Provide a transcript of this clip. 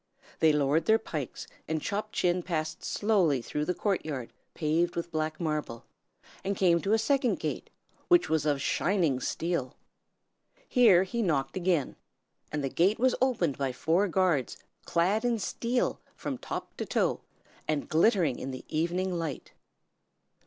They lowered their pikes, and Chop Chin passed slowly through the court yard paved with black marble, and came to the second gate, which was of shining steel. Here he knocked again, and the gate was opened by four guards clad in steel from top to toe, and glittering in the evening light.